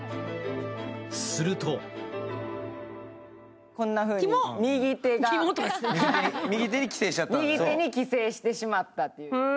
するとこんなふうに右手に寄生してしまったという。